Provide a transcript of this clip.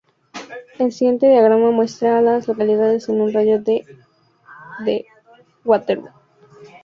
El siguiente diagrama muestra a las localidades en un radio de de Waterloo.